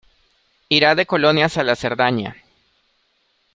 Irá de colonias a la Cerdanya.